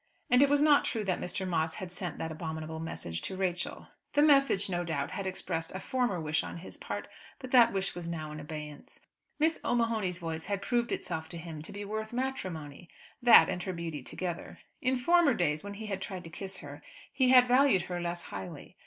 And it was not true that Mr. Moss had sent that abominable message to Rachel. The message, no doubt, had expressed a former wish on his part; but that wish was now in abeyance. Miss O'Mahony's voice had proved itself to him to be worth matrimony, that and her beauty together. In former days, when he had tried to kiss her, he had valued her less highly.